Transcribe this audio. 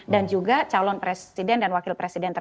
dan juga calon presiden dan wakil